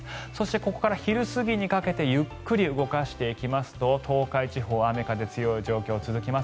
ここから昼過ぎにかけてゆっくり動かしていきますと東海地方が雨、風強い状況が続きいます。